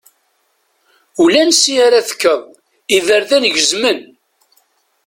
Ulansi ara tekkeḍ, iberdan gezmen.